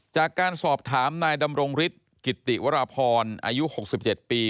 จากการสอบถามนายดำรงฤทธิกิติวราพรอายุ๖๗ปี